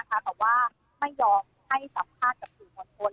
เยี่ยมน้องหรือว่าไม่ยอมให้สัมภาษณ์จากส่วนคน